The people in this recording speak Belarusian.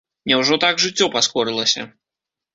Няўжо так жыццё паскорылася?